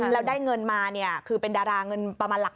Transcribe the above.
แล้วได้เงินมานี่คือเป็นดาราเงินประมาณ๖๐๐๐๐บาท